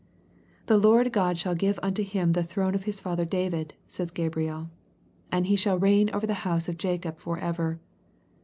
" The Lord God shall give unto Him the throne of his father David," says Gabriel, " and He shall reign over the house of Jacob for ever."